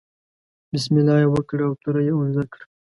بسم الله یې وکړه او توره یې اوږده کړه.